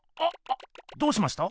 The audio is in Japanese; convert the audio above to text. どうしました？